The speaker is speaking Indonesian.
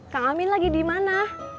kak amin lagi dimana